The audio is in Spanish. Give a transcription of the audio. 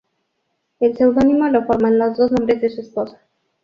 El seudónimo lo forman los dos nombres de su esposa.